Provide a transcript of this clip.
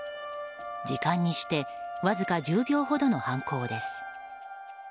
時間にしてわずか１０秒ほどの犯行です。